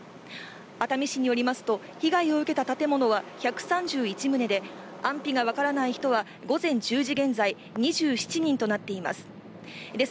熱海市によりますと被害を受けた建物は１３１棟で、安否が分からない人は午前１０時現在、２７人となっています。